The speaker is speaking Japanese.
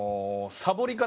サボり方？